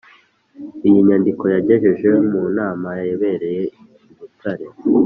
Iyi nyandiko yagejeje mu nama yabereye i Butare